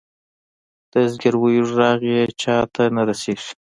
د زګیرویو ږغ یې چاته نه رسیږې